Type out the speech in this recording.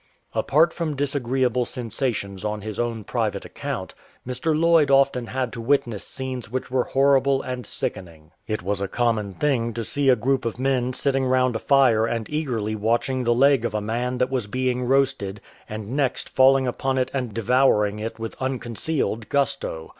Apart from disagreeable sensations on his own private account, Mr. IJoyd often had to witness scenes which were horrible and sickening. It was a common thing to 182 RIDING ON A SNAKE" see a group of men sitting round a fire and eagerly watch ing the leg of a man that was being roasted, and next falling upon it and devouring it with unconcealed gusto.